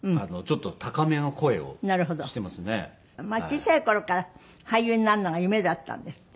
小さい頃から俳優になるのが夢だったんですって？